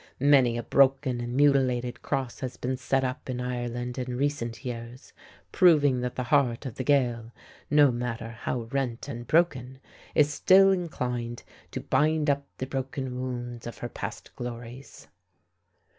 Many a broken and mutilated cross has been set up in Ireland in recent years, proving that the heart of the Gael, no matter how rent and broken, is still inclined to bind up the broken wounds of her past glories.